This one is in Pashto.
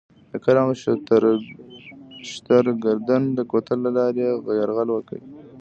د کرم او شترګردن د کوتل له لارې یې یرغل وکړ.